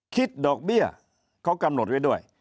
คิดดอกเบี้ยเขากำหนดไว้ด้วย